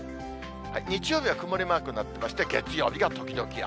日曜日は曇りマークになってまして、月曜日が時々雨。